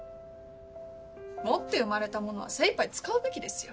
持って生まれたものは精いっぱい使うべきですよ。